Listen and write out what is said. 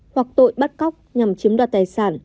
hoặc tội bắt cóc nhằm chiếm đoạt tài sản